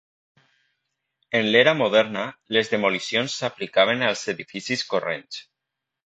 En l'era moderna, les demolicions s'aplicaven als edificis corrents.